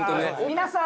皆さん！